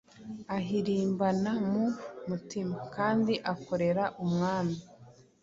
ahirimbana mu mutima, kandi akorera Umwami.”